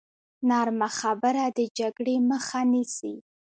نرمه خبره د جګړې مخه نیسي.